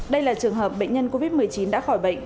đây là trường hợp bệnh nhân covid một mươi chín đã khỏi bệnh